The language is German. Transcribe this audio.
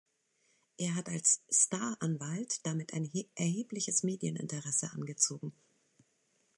Er hat als „Staranwalt“ damit ein erhebliches Medieninteresse angezogen.